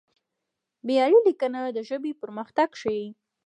معیاري لیکنه د ژبې پرمختګ ښيي.